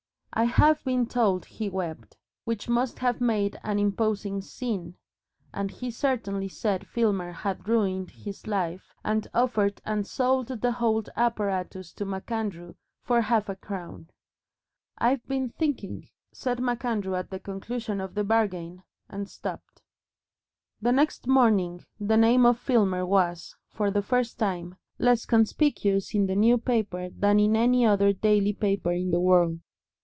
I have been told he wept, which must have made an imposing scene, and he certainly said Filmer had ruined his life, and offered and sold the whole apparatus to MacAndrew for half a crown. "I've been thinking " said MacAndrew at the conclusion of the bargain, and stopped. The next morning the name of Filmer was, for the first time, less conspicuous in the New Paper than in any other daily paper in the world.